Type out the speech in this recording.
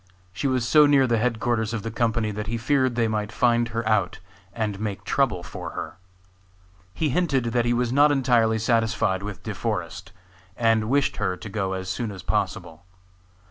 She was so near the headquarters of the company that he feared they might find her out, and make trouble for her. He hinted that he was not entirely satisfied with De Forest, and wished her to go as soon as possible.